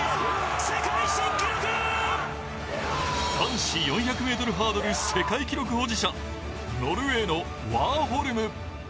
男子４００ｍハードル世界記録保持者、ノルウェーのワーホルム。